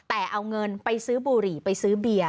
แต่เอาเงินไปซื้อบุหรี่ไปซื้อเบียร์